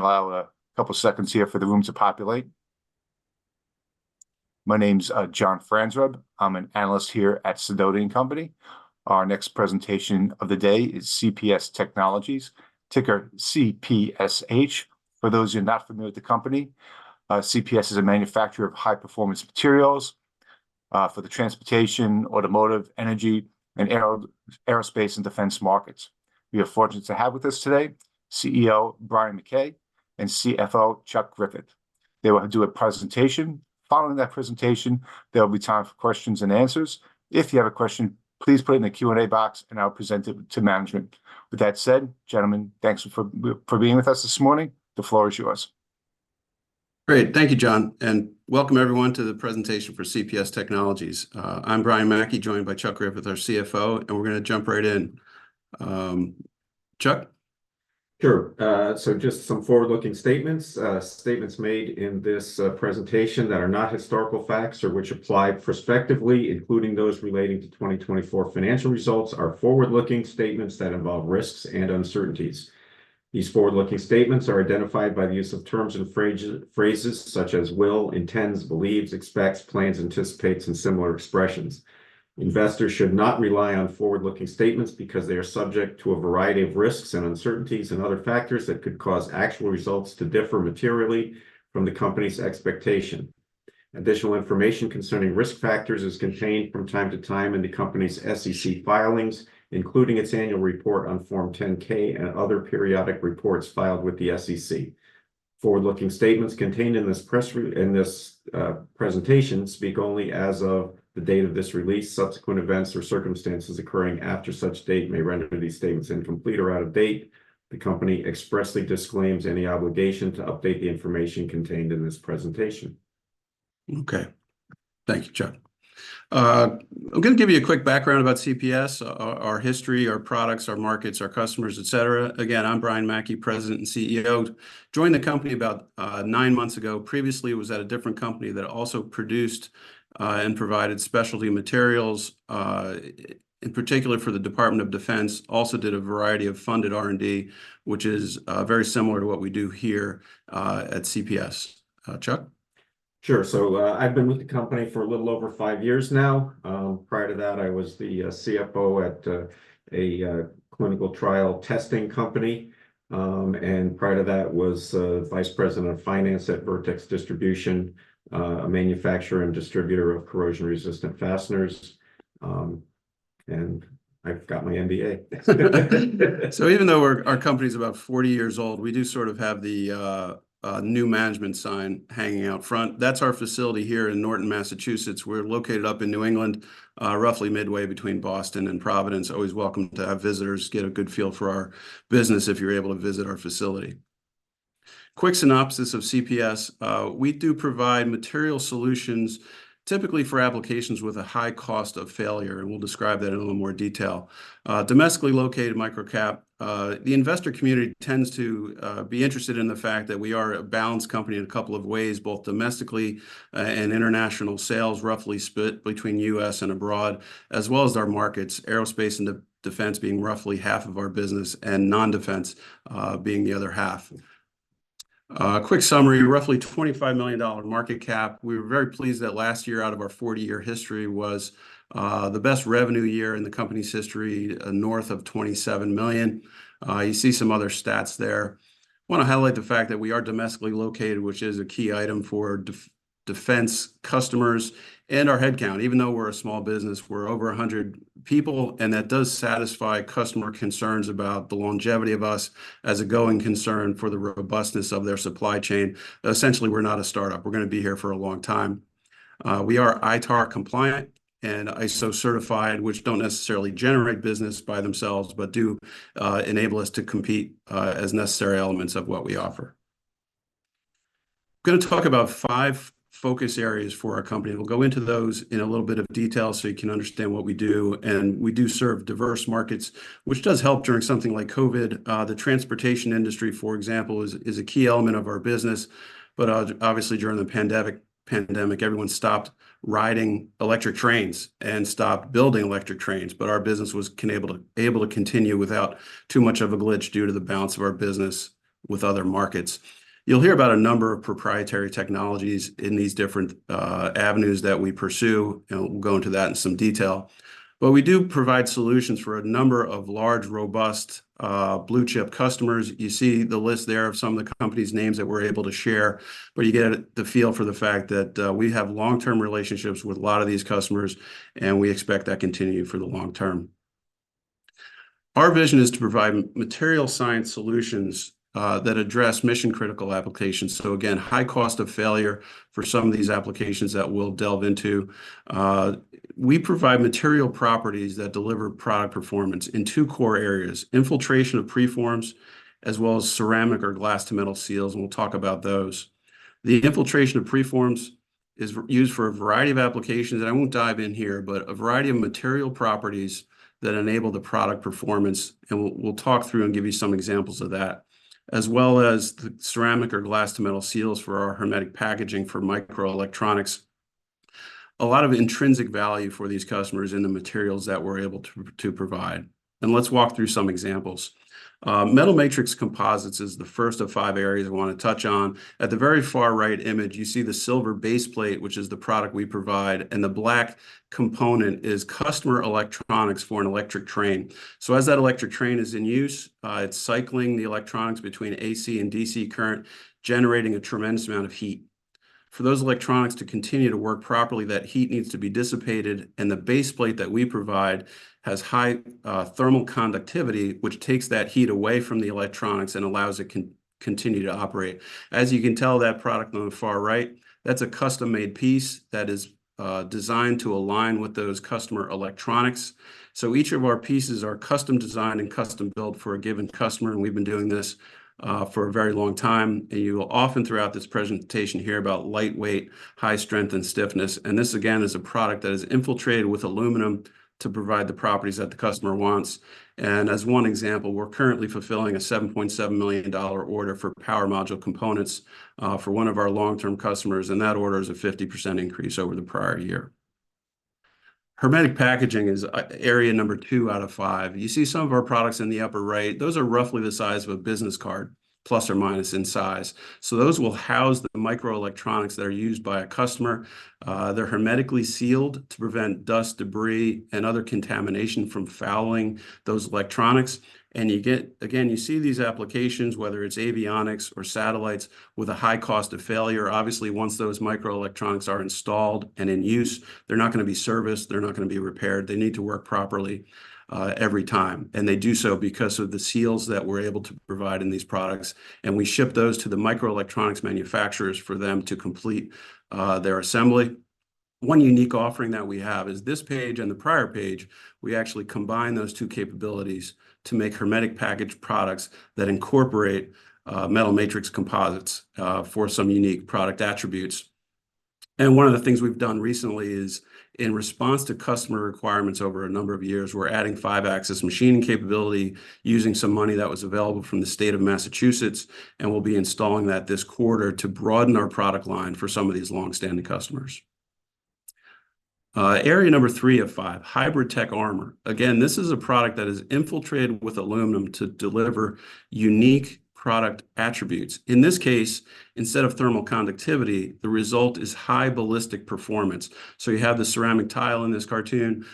Allow a couple seconds here for the room to populate. My name's John Franzreb. I'm an analyst here at Sidoti & Company. Our next presentation of the day is CPS Technologies, ticker CPSH. For those who are not familiar with the company, CPS is a manufacturer of high-performance materials for the transportation, automotive, energy, and aerospace and defense markets. We have the fortune to have with us today CEO Brian Mackey and CFO Chuck Griffith. They will do a presentation. Following that presentation, there will be time for questions and answers. If you have a question, please put it in the Q&A box and I'll present it to management. With that said, gentlemen, thanks for being with us this morning. The floor is yours. Great. Thank you, John, and welcome everyone to the presentation for CPS Technologies. I'm Brian Mackey, joined by Chuck Griffith, our CFO, and we're going to jump right in. Chuck? Sure. So just some forward-looking statements. Statements made in this presentation that are not historical facts or which apply prospectively, including those relating to 2024 financial results, are forward-looking statements that involve risks and uncertainties. These forward-looking statements are identified by the use of terms and phrases such as will, intends, believes, expects, plans, anticipates, and similar expressions. Investors should not rely on forward-looking statements because they are subject to a variety of risks and uncertainties and other factors that could cause actual results to differ materially from the company's expectation. Additional information concerning risk factors is contained from time to time in the company's SEC filings, including its annual report on Form 10-K and other periodic reports filed with the SEC. Forward-looking statements contained in this presentation speak only as of the date of this release. Subsequent events or circumstances occurring after such date may render these statements incomplete or out of date. The company expressly disclaims any obligation to update the information contained in this presentation. Okay. Thank you, Chuck. I'm going to give you a quick background about CPS: our history, our products, our markets, our customers, etc. Again, I'm Brian Mackey, President and CEO. Joined the company about nine months ago. Previously, I was at a different company that also produced and provided specialty materials, in particular for the Department of Defense. Also did a variety of funded R&D, which is very similar to what we do here at CPS. Chuck? Sure. So I've been with the company for a little over five years now. Prior to that, I was the CFO at a clinical trial testing company, and prior to that was vice president of finance at Vertex Distribution, a manufacturer and distributor of corrosion-resistant fasteners. I've got my MBA. So even though our company is about 40 years old, we do sort of have the new management sign hanging out front. That's our facility here in Norton, Massachusetts. We're located up in New England, roughly midway between Boston and Providence. Always welcome to have visitors get a good feel for our business if you're able to visit our facility. Quick synopsis of CPS: we do provide material solutions, typically for applications with a high cost of failure, and we'll describe that in a little more detail. Domestically located, microcap. The investor community tends to be interested in the fact that we are a balanced company in a couple of ways, both domestically and international sales, roughly split between U.S. and abroad, as well as our markets, aerospace and defense being roughly half of our business and non-defense being the other half. Quick summary: roughly $25 million market cap. We were very pleased that last year out of our 40-year history was the best revenue year in the company's history, north of $27 million. You see some other stats there. I want to highlight the fact that we are domestically located, which is a key item for defense customers and our headcount. Even though we're a small business, we're over 100 people, and that does satisfy customer concerns about the longevity of us as a going concern for the robustness of their supply chain. Essentially, we're not a startup. We're going to be here for a long time. We are ITAR compliant and ISO certified, which don't necessarily generate business by themselves but do enable us to compete as necessary elements of what we offer. I'm going to talk about five focus areas for our company, and we'll go into those in a little bit of detail so you can understand what we do. We do serve diverse markets, which does help during something like COVID. The transportation industry, for example, is a key element of our business. Obviously, during the pandemic, everyone stopped riding electric trains and stopped building electric trains, but our business was able to continue without too much of a glitch due to the balance of our business with other markets. You'll hear about a number of proprietary technologies in these different avenues that we pursue, and we'll go into that in some detail. We do provide solutions for a number of large, robust blue-chip customers. You see the list there of some of the companies' names that we're able to share, but you get the feel for the fact that we have long-term relationships with a lot of these customers, and we expect that to continue for the long term. Our vision is to provide material science solutions that address mission-critical applications. So again, high cost of failure for some of these applications that we'll delve into. We provide material properties that deliver product performance in two core areas: infiltration of preforms, as well as ceramic or glass-to-metal seals, and we'll talk about those. The infiltration of preforms is used for a variety of applications that I won't dive in here, but a variety of material properties that enable the product performance. And we'll talk through and give you some examples of that, as well as the ceramic or glass-to-metal seals for our hermetic packaging for microelectronics. A lot of intrinsic value for these customers in the materials that we're able to provide. And let's walk through some examples. Metal matrix composites is the first of five areas I want to touch on. At the very far right image, you see the silver base plate, which is the product we provide, and the black component is customer electronics for an electric train. So as that electric train is in use, it's cycling the electronics between AC and DC current, generating a tremendous amount of heat. For those electronics to continue to work properly, that heat needs to be dissipated, and the base plate that we provide has high thermal conductivity, which takes that heat away from the electronics and allows it to continue to operate. As you can tell, that product on the far right, that's a custom-made piece that is designed to align with those customer electronics. So each of our pieces are custom designed and custom built for a given customer, and we've been doing this for a very long time. You will often throughout this presentation hear about lightweight, high strength, and stiffness. This again is a product that is infiltrated with aluminum to provide the properties that the customer wants. As one example, we're currently fulfilling a $7.7 million order for power module components for one of our long-term customers, and that order is a 50% increase over the prior year. Hermetic packaging is area number two out of five. You see some of our products in the upper right. Those are roughly the size of a business card, plus or minus in size. So those will house the microelectronics that are used by a customer. They're hermetically sealed to prevent dust, debris, and other contamination from fouling those electronics. And again, you see these applications, whether it's avionics or satellites, with a high cost of failure. Obviously, once those microelectronics are installed and in use, they're not going to be serviced. They're not going to be repaired. They need to work properly every time. They do so because of the seals that we're able to provide in these products. We ship those to the microelectronics manufacturers for them to complete their assembly. One unique offering that we have is this page and the prior page. We actually combine those two capabilities to make hermetic package products that incorporate metal matrix composites for some unique product attributes. One of the things we've done recently is, in response to customer requirements over a number of years, we're adding 5-axis machining capability using some money that was available from the state of Massachusetts, and we'll be installing that this quarter to broaden our product line for some of these longstanding customers. Area number three of five: HybridTech Armor. Again, this is a product that is infiltrated with aluminum to deliver unique product attributes. In this case, instead of thermal conductivity, the result is high ballistic performance. So you have the ceramic tile in this cartoon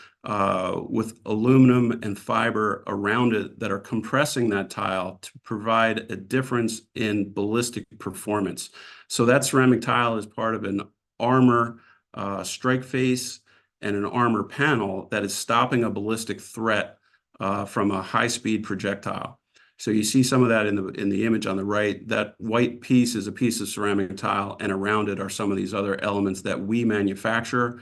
with aluminum and fiber around it that are compressing that tile to provide a difference in ballistic performance. So that ceramic tile is part of an armor strike face and an armor panel that is stopping a ballistic threat from a high-speed projectile. So you see some of that in the image on the right. That white piece is a piece of ceramic tile, and around it are some of these other elements that we manufacture.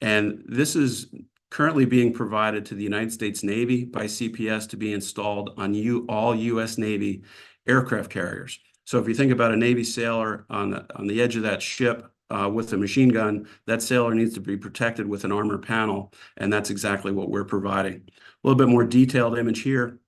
And this is currently being provided to the United States Navy by CPS to be installed on all U.S. Navy aircraft carriers. So if you think about a Navy sailor on the edge of that ship with a machine gun, that sailor needs to be protected with an armor panel, and that's exactly what we're providing. A little bit more detailed image here.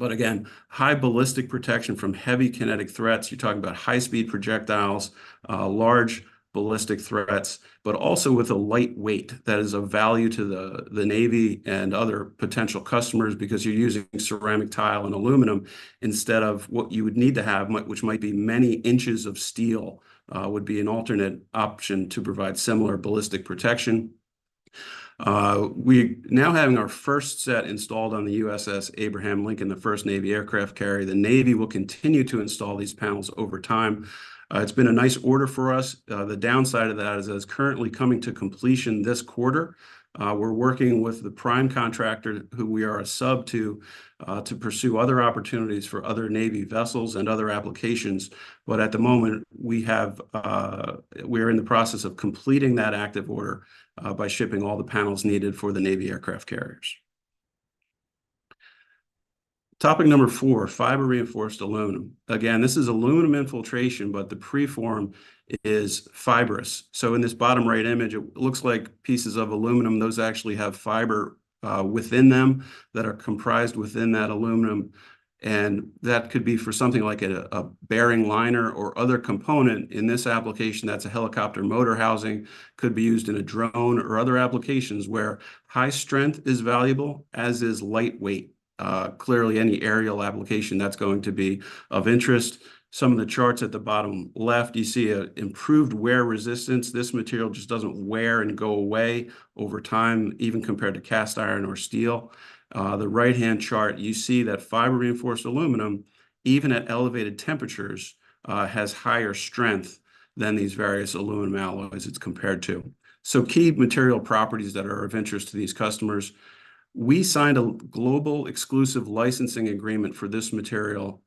But again, high ballistic protection from heavy kinetic threats. You're talking about high-speed projectiles, large ballistic threats, but also with a lightweight that is of value to the Navy and other potential customers because you're using ceramic tile and aluminum instead of what you would need to have, which might be many inches of steel, would be an alternate option to provide similar ballistic protection. We're now having our first set installed on the USS Abraham Lincoln, the first Navy aircraft carrier. The Navy will continue to install these panels over time. It's been a nice order for us. The downside of that is it's currently coming to completion this quarter. We're working with the prime contractor, who we are a sub to, to pursue other opportunities for other Navy vessels and other applications. But at the moment, we are in the process of completing that active order by shipping all the panels needed for the Navy aircraft carriers. Topic number 4: Fiber-Reinforced Aluminum. Again, this is aluminum infiltration, but the preform is fibrous. So in this bottom right image, it looks like pieces of aluminum. Those actually have fiber within them that are comprised within that aluminum. And that could be for something like a bearing liner or other component. In this application, that's a helicopter motor housing. Could be used in a drone or other applications where high strength is valuable, as is lightweight. Clearly, any aerial application that's going to be of interest. Some of the charts at the bottom left, you see improved wear resistance. This material just doesn't wear and go away over time, even compared to cast iron or steel. The right-hand chart, you see that Fiber-Reinforced Aluminum, even at elevated temperatures, has higher strength than these various aluminum alloys it's compared to. So key material properties that are of interest to these customers. We signed a global exclusive licensing agreement for this material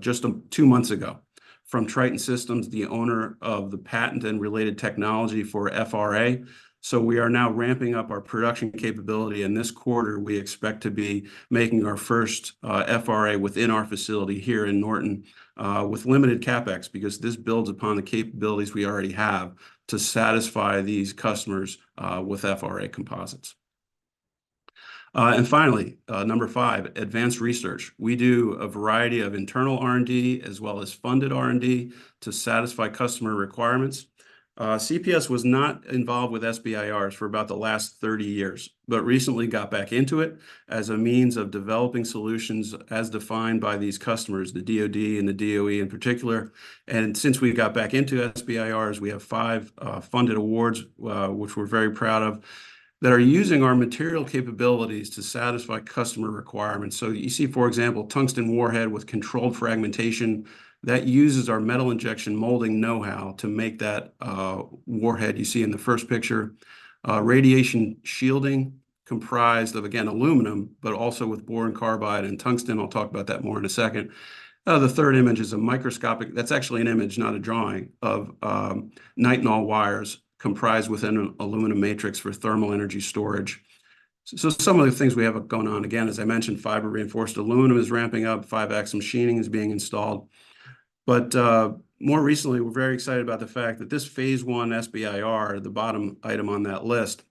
just 2 months ago from Triton Systems, the owner of the patent and related technology for FRA. So we are now ramping up our production capability. And this quarter, we expect to be making our first FRA within our facility here in Norton with limited CapEx because this builds upon the capabilities we already have to satisfy these customers with FRA composites. And finally, number 5: advanced research. We do a variety of internal R&D as well as funded R&D to satisfy customer requirements. CPS was not involved with SBIRs for about the last 30 years, but recently got back into it as a means of developing solutions as defined by these customers, the DOD and the DOE in particular. And since we got back into SBIRs, we have 5 funded awards, which we're very proud of, that are using our material capabilities to satisfy customer requirements. So you see, for example, tungsten warhead with controlled fragmentation. That uses our metal injection molding know-how to make that warhead you see in the first picture. Radiation shielding comprised of, again, aluminum, but also with boron carbide and tungsten. I'll talk about that more in a second. The third image is a microscopic—that's actually an image, not a drawing—of nitinol wires comprised within an aluminum matrix for thermal energy storage. So some of the things we have going on. Again, as I mentioned, Fiber-Reinforced Aluminum is ramping up. 5-axis machining is being installed. But more recently, we're very excited about the fact that this Phase I SBIR, the bottom item on that list,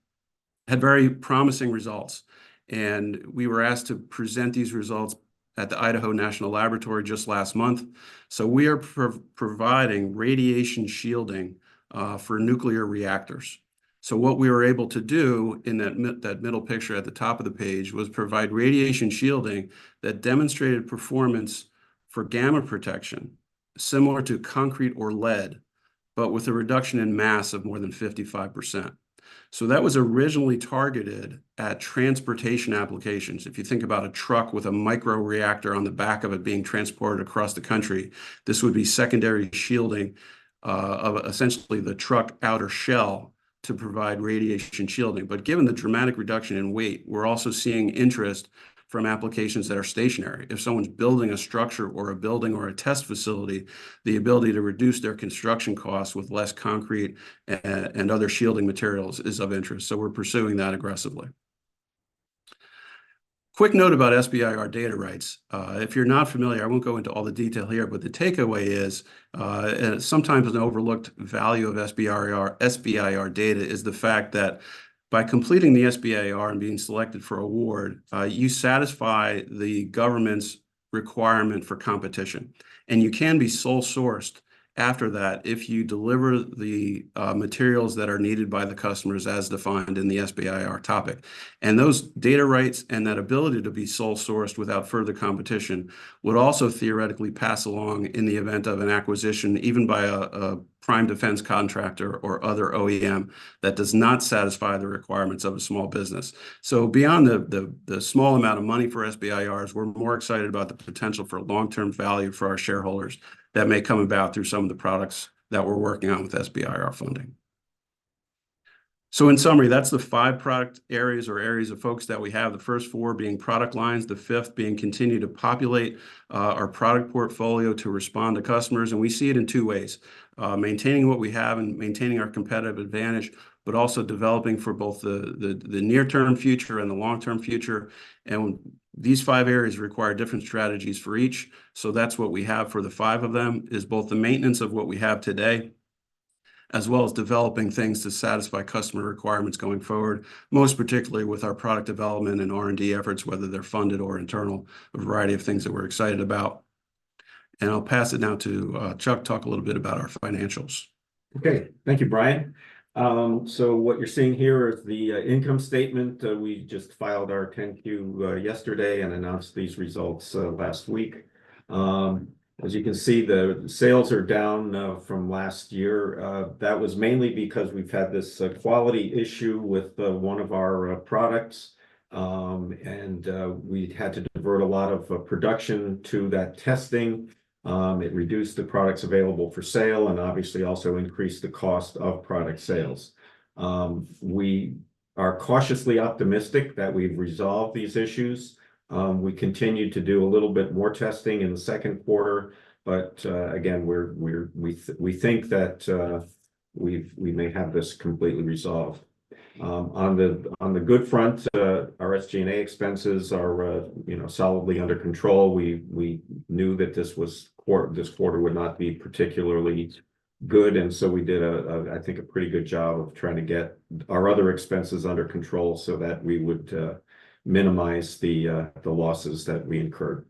had very promising results. And we were asked to present these results at the Idaho National Laboratory just last month. So we are providing radiation shielding for nuclear reactors. So what we were able to do in that middle picture at the top of the page was provide radiation shielding that demonstrated performance for gamma protection, similar to concrete or lead, but with a reduction in mass of more than 55%. So that was originally targeted at transportation applications. If you think about a truck with a microreactor on the back of it being transported across the country, this would be secondary shielding of essentially the truck outer shell to provide radiation shielding. But given the dramatic reduction in weight, we're also seeing interest from applications that are stationary. If someone's building a structure or a building or a test facility, the ability to reduce their construction costs with less concrete and other shielding materials is of interest. So we're pursuing that aggressively. Quick note about SBIR data rights. If you're not familiar, I won't go into all the detail here. But the takeaway is, sometimes an overlooked value of SBIR data is the fact that by completing the SBIR and being selected for award, you satisfy the government's requirement for competition. You can be sole-sourced after that if you deliver the materials that are needed by the customers as defined in the SBIR topic. Those data rights and that ability to be sole-sourced without further competition would also theoretically pass along in the event of an acquisition, even by a prime defense contractor or other OEM, that does not satisfy the requirements of a small business. Beyond the small amount of money for SBIRs, we're more excited about the potential for long-term value for our shareholders that may come about through some of the products that we're working on with SBIR funding. In summary, that's the five product areas or areas of focus that we have, the first four being product lines, the fifth being continuing to populate our product portfolio to respond to customers. We see it in two ways: maintaining what we have and maintaining our competitive advantage, but also developing for both the near-term future and the long-term future. These five areas require different strategies for each. So that's what we have for the five of them: both the maintenance of what we have today, as well as developing things to satisfy customer requirements going forward, most particularly with our product development and R&D efforts, whether they're funded or internal, a variety of things that we're excited about. I'll pass it now to Chuck talk a little bit about our financials. Okay. Thank you, Brian. So what you're seeing here is the income statement. We just filed our 10-Q yesterday and announced these results last week. As you can see, the sales are down from last year. That was mainly because we've had this quality issue with one of our products, and we had to divert a lot of production to that testing. It reduced the products available for sale and obviously also increased the cost of product sales. We are cautiously optimistic that we've resolved these issues. We continue to do a little bit more testing in the second quarter, but again, we think that we may have this completely resolved. On the good front, our SG&A expenses are solidly under control. We knew that this quarter would not be particularly good, and so we did, I think, a pretty good job of trying to get our other expenses under control so that we would minimize the losses that we incurred.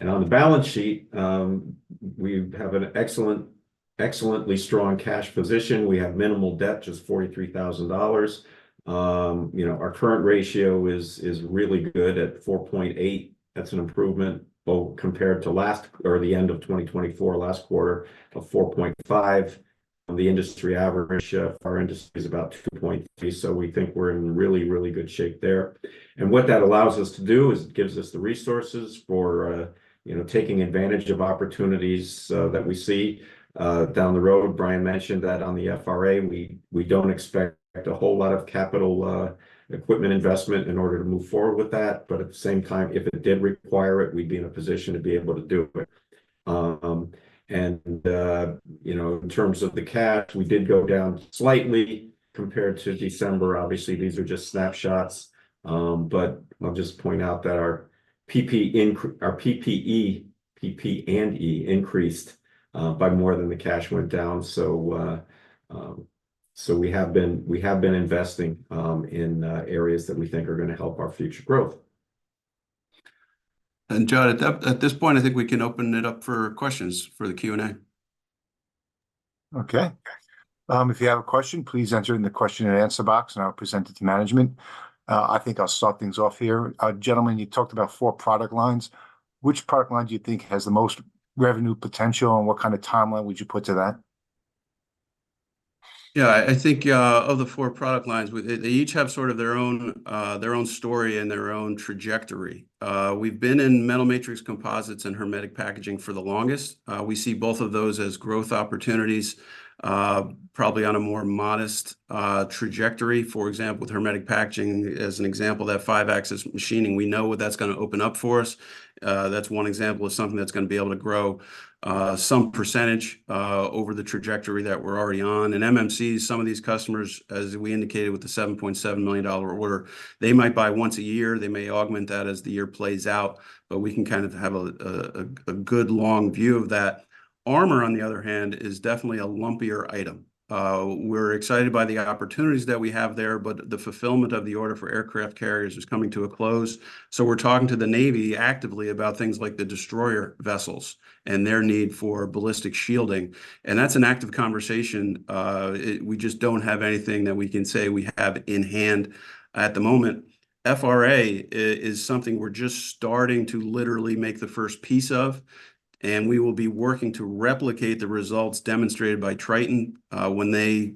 On the balance sheet, we have an excellently strong cash position. We have minimal debt, just $43,000. Our current ratio is really good at 4.8. That's an improvement compared to last or the end of 2024, last quarter, of 4.5. The industry average of our industry is about 2.3. So we think we're in really, really good shape there. And what that allows us to do is it gives us the resources for taking advantage of opportunities that we see down the road. Brian mentioned that on the FRA, we don't expect a whole lot of capital equipment investment in order to move forward with that. But at the same time, if it did require it, we'd be in a position to be able to do it. And in terms of the cash, we did go down slightly compared to December. Obviously, these are just snapshots. But I'll just point out that our PP&E increased by more than the cash went down. So we have been investing in areas that we think are going to help our future growth. John, at this point, I think we can open it up for questions for the Q&A. Okay. If you have a question, please enter in the question and answer box, and I'll present it to management. I think I'll start things off here. Gentlemen, you talked about four product lines. Which product line do you think has the most revenue potential, and what kind of timeline would you put to that? Yeah. I think of the 4 product lines, they each have sort of their own story and their own trajectory. We've been in metal matrix composites and hermetic packaging for the longest. We see both of those as growth opportunities, probably on a more modest trajectory. For example, with hermetic packaging as an example, that 5-axis machining, we know what that's going to open up for us. That's one example of something that's going to be able to grow some percentage over the trajectory that we're already on. And MMCs, some of these customers, as we indicated with the $7.7 million order, they might buy once a year. They may augment that as the year plays out, but we can kind of have a good long view of that. Armor, on the other hand, is definitely a lumpier item. We're excited by the opportunities that we have there, but the fulfillment of the order for aircraft carriers is coming to a close. So we're talking to the Navy actively about things like the destroyer vessels and their need for ballistic shielding. And that's an active conversation. We just don't have anything that we can say we have in hand at the moment. FRA is something we're just starting to literally make the first piece of, and we will be working to replicate the results demonstrated by Triton when they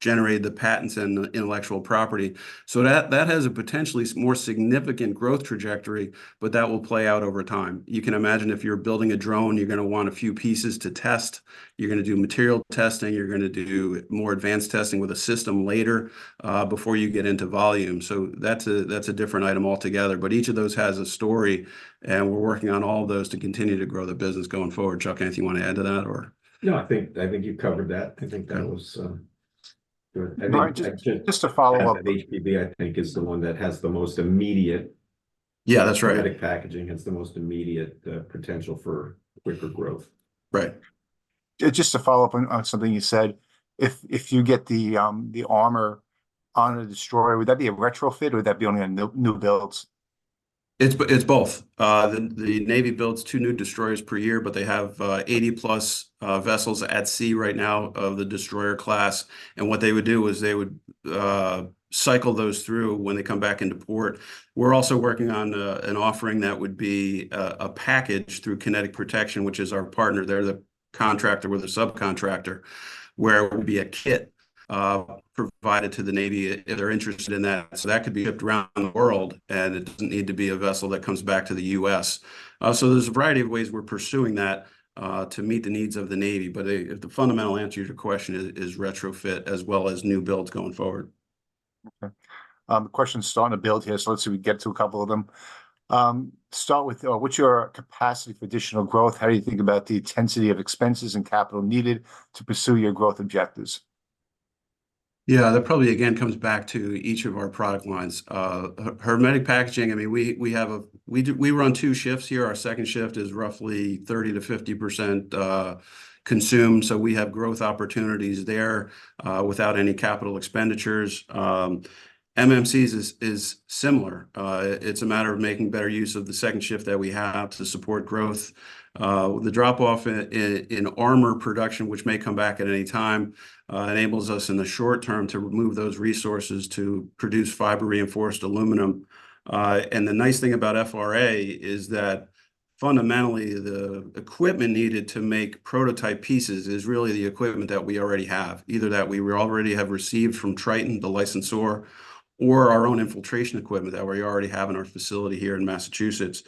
generate the patents and the intellectual property. So that has a potentially more significant growth trajectory, but that will play out over time. You can imagine if you're building a drone, you're going to want a few pieces to test. You're going to do material testing. You're going to do more advanced testing with a system later before you get into volume. So that's a different item altogether. But each of those has a story, and we're working on all of those to continue to grow the business going forward. Chuck, anything you want to add to that, or? No, I think you've covered that. I think that was good. I think. Brian, just to follow up. HPB, I think, is the one that has the most immediate. Yeah, that's right. Hermetic Packaging has the most immediate potential for quicker growth. Right. Just to follow up on something you said, if you get the armor on a destroyer, would that be a retrofit, or would that be only on new builds? It's both. The Navy builds 2 new destroyers per year, but they have 80+ vessels at sea right now of the destroyer class. What they would do is they would cycle those through when they come back into port. We're also working on an offering that would be a package through Kinetic Protection, which is our partner. They're the contractor with a subcontractor, where it will be a kit provided to the Navy if they're interested in that. That could be shipped around the world, and it doesn't need to be a vessel that comes back to the U.S. There's a variety of ways we're pursuing that to meet the needs of the Navy. The fundamental answer to your question is retrofit as well as new builds going forward. Okay. The questions start on a build here, so let's see if we get to a couple of them. Start with, what's your capacity for additional growth? How do you think about the intensity of expenses and capital needed to pursue your growth objectives? Yeah, that probably, again, comes back to each of our product lines. Hermetic packaging, I mean, we run two shifts here. Our second shift is roughly 30%-50% consumed. So we have growth opportunities there without any capital expenditures. MMCs is similar. It's a matter of making better use of the second shift that we have to support growth. The drop-off in armor production, which may come back at any time, enables us in the short term to remove those resources to produce Fiber-Reinforced Aluminum. And the nice thing about FRA is that fundamentally, the equipment needed to make prototype pieces is really the equipment that we already have, either that we already have received from Triton, the licensor, or our own infiltration equipment that we already have in our facility here in Massachusetts.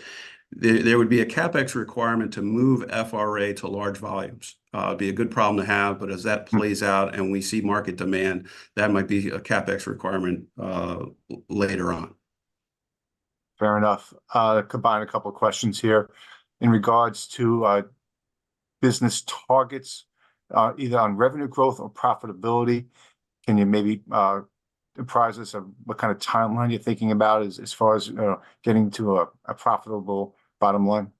There would be a CapEx requirement to move FRA to large volumes. It'd be a good problem to have, but as that plays out and we see market demand, that might be a CapEx requirement later on. Fair enough. Combine a couple of questions here. In regards to business targets, either on revenue growth or profitability, can you maybe surprise us of what kind of timeline you're thinking about as far as getting to a profitable bottom line?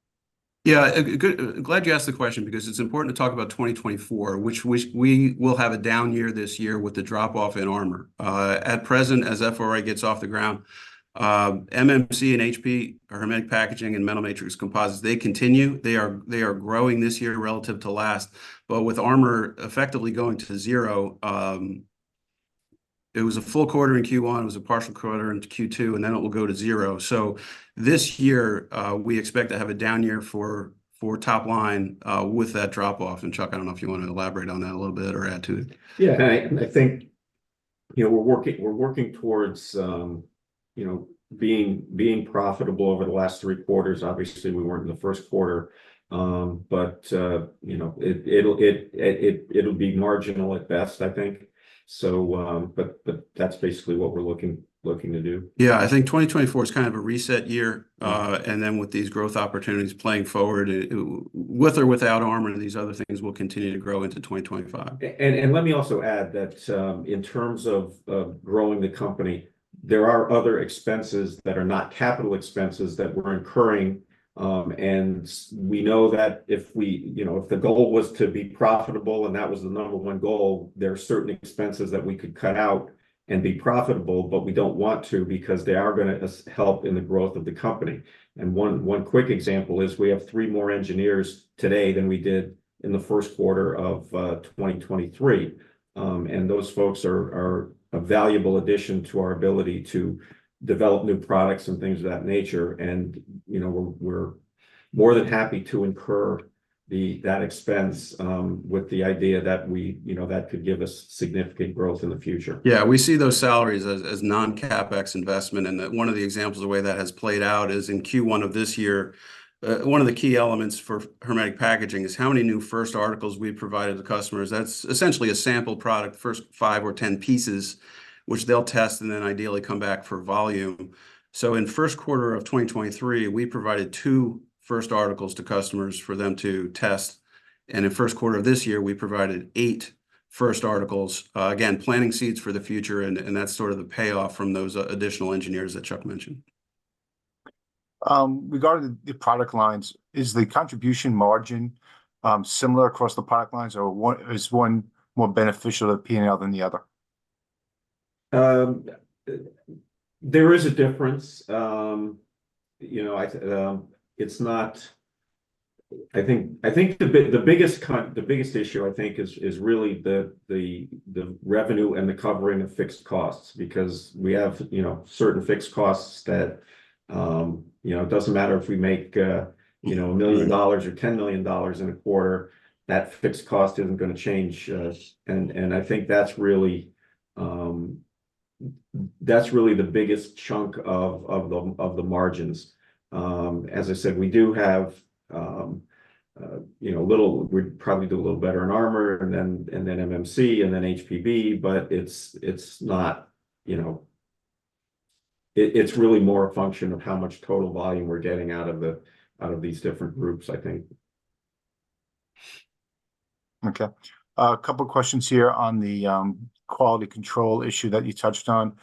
Yeah. Glad you asked the question because it's important to talk about 2024, which we will have a down year this year with the drop-off in armor. At present, as FRA gets off the ground, MMC and HP, or hermetic packaging and metal matrix composites, they continue. They are growing this year relative to last. But with armor effectively going to zero, it was a full quarter in Q1. It was a partial quarter in Q2, and then it will go to zero. So this year, we expect to have a down year for top line with that drop-off. And Chuck, I don't know if you want to elaborate on that a little bit or add to it. Yeah. I think we're working towards being profitable over the last three quarters. Obviously, we weren't in the first quarter, but it'll be marginal at best, I think. But that's basically what we're looking to do. Yeah. I think 2024 is kind of a reset year. And then with these growth opportunities playing forward, with or without armor and these other things, we'll continue to grow into 2025. And let me also add that in terms of growing the company, there are other expenses that are not capital expenses that we're incurring. And we know that if the goal was to be profitable, and that was the number one goal, there are certain expenses that we could cut out and be profitable, but we don't want to because they are going to help in the growth of the company. And one quick example is we have three more engineers today than we did in the first quarter of 2023. And those folks are a valuable addition to our ability to develop new products and things of that nature. And we're more than happy to incur that expense with the idea that could give us significant growth in the future. Yeah. We see those salaries as non-CapEx investment. And one of the examples of the way that has played out is in Q1 of this year, one of the key elements for hermetic packaging is how many new first articles we provided to customers. That's essentially a sample product, first five or 10 pieces, which they'll test and then ideally come back for volume. So in first quarter of 2023, we provided two first articles to customers for them to test. And in first quarter of this year, we provided eight first articles, again, planning seeds for the future. And that's sort of the payoff from those additional engineers that Chuck mentioned. Regarding the product lines, is the contribution margin similar across the product lines, or is one more beneficial to P&L than the other? There is a difference. I think the biggest issue, I think, is really the revenue and the covering of fixed costs because we have certain fixed costs that it doesn't matter if we make $1 million or $10 million in a quarter, that fixed cost isn't going to change. And I think that's really the biggest chunk of the margins. As I said, we do have a little we'd probably do a little better in armor and then MMC and then HPB, but it's not it's really more a function of how much total volume we're getting out of these different groups, I think. Okay. A couple of questions here on the quality control issue that you touched on.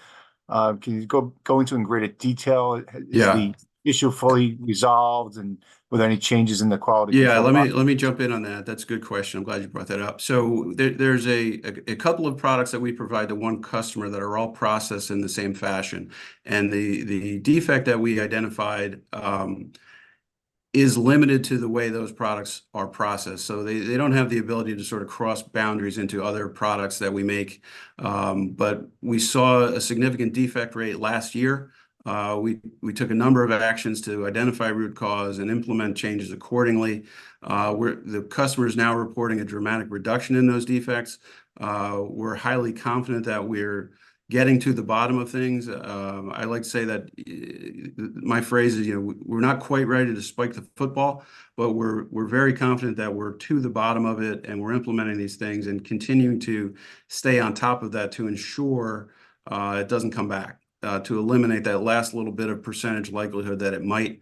Can you go into it in greater detail? Is the issue fully resolved, and were there any changes in the quality control? Yeah. Let me jump in on that. That's a good question. I'm glad you brought that up. There's a couple of products that we provide to one customer that are all processed in the same fashion. The defect that we identified is limited to the way those products are processed. They don't have the ability to sort of cross boundaries into other products that we make. We saw a significant defect rate last year. We took a number of actions to identify root cause and implement changes accordingly. The customer is now reporting a dramatic reduction in those defects. We're highly confident that we're getting to the bottom of things. I like to say that my phrase is, "We're not quite ready to spike the football, but we're very confident that we're to the bottom of it and we're implementing these things and continuing to stay on top of that to ensure it doesn't come back, to eliminate that last little bit of percentage likelihood that it might."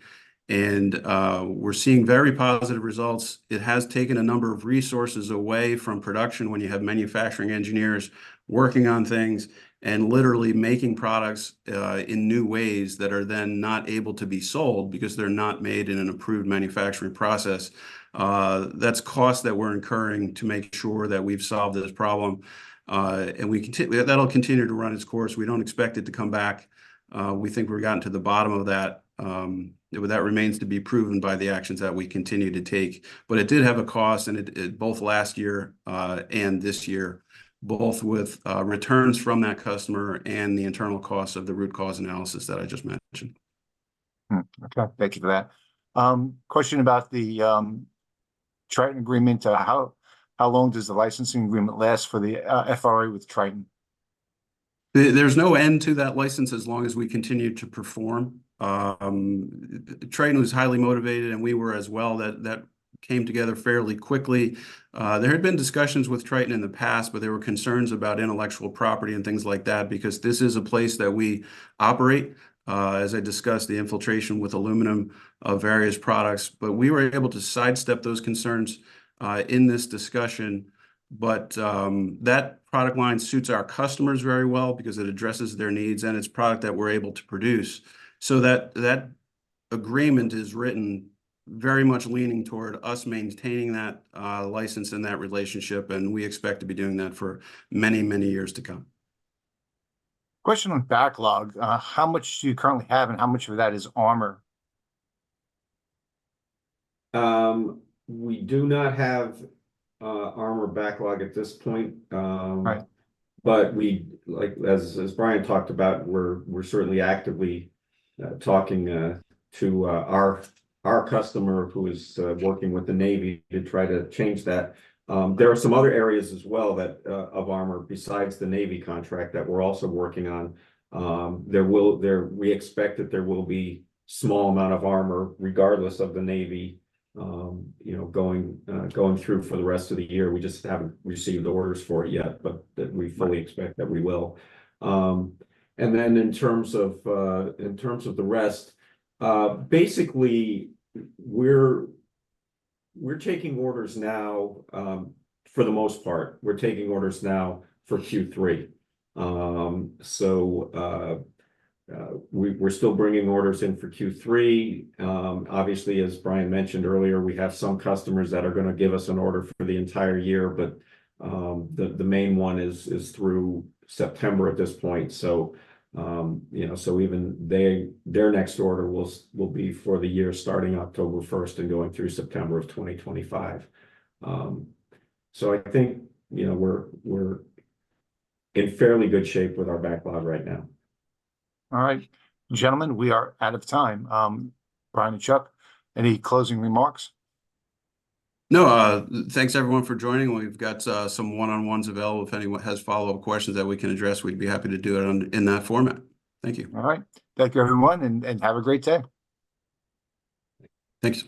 We're seeing very positive results. It has taken a number of resources away from production when you have manufacturing engineers working on things and literally making products in new ways that are then not able to be sold because they're not made in an approved manufacturing process. That's cost that we're incurring to make sure that we've solved this problem. That'll continue to run its course. We don't expect it to come back. We think we've gotten to the bottom of that. That remains to be proven by the actions that we continue to take. But it did have a cost, and it both last year and this year, both with returns from that customer and the internal cost of the root cause analysis that I just mentioned. Okay. Thank you for that. Question about the Triton agreement. How long does the licensing agreement last for the FRA with Triton? There's no end to that license as long as we continue to perform. Triton was highly motivated, and we were as well. That came together fairly quickly. There had been discussions with Triton in the past, but there were concerns about intellectual property and things like that because this is a place that we operate. As I discussed, the infiltration with aluminum of various products. But we were able to sidestep those concerns in this discussion. But that product line suits our customers very well because it addresses their needs, and it's product that we're able to produce. So that agreement is written very much leaning toward us maintaining that license and that relationship. And we expect to be doing that for many, many years to come. Question on backlog. How much do you currently have, and how much of that is armor? We do not have armor backlog at this point. But as Brian talked about, we're certainly actively talking to our customer who is working with the Navy to try to change that. There are some other areas as well of armor besides the Navy contract that we're also working on. We expect that there will be a small amount of armor regardless of the Navy going through for the rest of the year. We just haven't received orders for it yet, but we fully expect that we will. And then in terms of the rest, basically, we're taking orders now for the most part. We're taking orders now for Q3. So we're still bringing orders in for Q3. Obviously, as Brian mentioned earlier, we have some customers that are going to give us an order for the entire year, but the main one is through September at this point. So even their next order will be for the year starting October 1st and going through September of 2025. So I think we're in fairly good shape with our backlog right now. All right. Gentlemen, we are out of time. Brian and Chuck, any closing remarks? No, thanks, everyone, for joining. We've got some one-on-ones available. If anyone has follow-up questions that we can address, we'd be happy to do it in that format. Thank you. All right. Thank you, everyone, and have a great day. Thanks.